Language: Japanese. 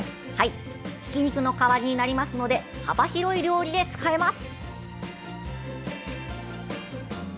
ひき肉の代わりになりますので幅広い料理で使えます。